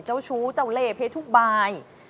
เจ้าชู้เจ้าเล่เพชรทุกบาย